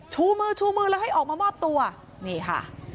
ชูมือชูมือแล้วให้ออกมามอบตัวนี่ค่ะ